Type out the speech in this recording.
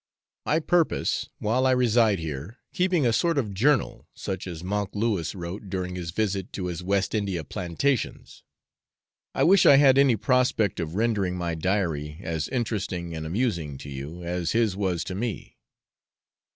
I purpose, while I reside here, keeping a sort of journal, such as Monk Lewis wrote during his visit to his West India plantations. I wish I had any prospect of rendering my diary as interesting and amusing to you as his was to me.